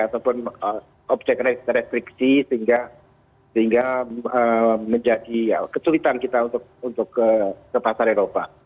ataupun objek restriksi sehingga menjadi kesulitan kita untuk ke pasar eropa